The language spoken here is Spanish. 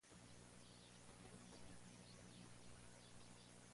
Es familia del explorador del Ártico, Matthew Henson.